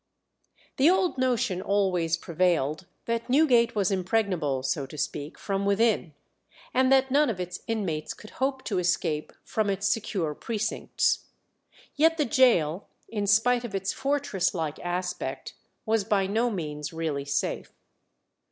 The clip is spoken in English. The old notion always prevailed that Newgate was impregnable, so to speak, from within, and that none of its inmates could hope to escape from its secure precincts. Yet the gaol, in spite of its fortress like aspect, was by no means really safe.